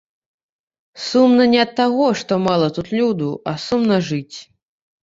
Сумна не ад таго, што мала тут люду, а сумна жыць.